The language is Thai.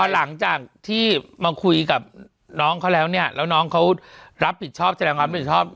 หลังจากที่มาคุยกับน้องเขาแล้วเนี่ยแล้วน้องเขารับผิดชอบ